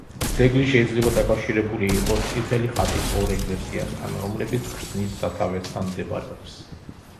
ძეგლი შეიძლება დაკავშირებული იყოს „წითელი ხატის“ ორ ეკლესიასთან, რომლებიც ქსნის სათავესთან მდებარეობს.